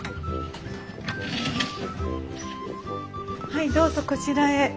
はいどうぞこちらへ。